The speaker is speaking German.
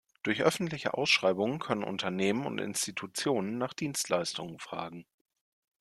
Durch öffentliche Ausschreibungen können Unternehmen und Institutionen nach Dienstleistungen fragen.